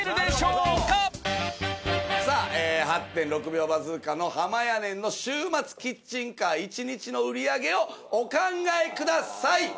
８．６秒バズーカーのはまやねんの週末キッチンカー１日の売り上げをお考えください。